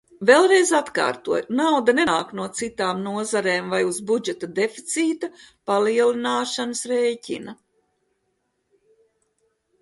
Vēlreiz atkārtoju: nauda nenāk no citām nozarēm vai uz budžeta deficīta palielināšanas rēķina.